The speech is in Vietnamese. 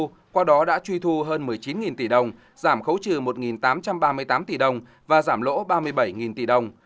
qua đó đã truy thu hơn một mươi chín tỷ đồng giảm khấu trừ một tám trăm ba mươi tám tỷ đồng và giảm lỗ ba mươi bảy tỷ đồng